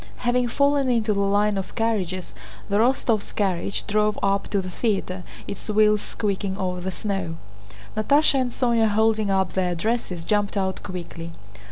Having fallen into the line of carriages, the Rostóvs' carriage drove up to the theater, its wheels squeaking over the snow. Natásha and Sónya, holding up their dresses, jumped out quickly.